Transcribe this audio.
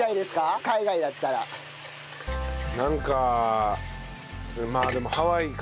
なんかまあでも。